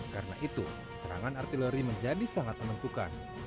karena itu serangan artileri menjadi sangat menentukan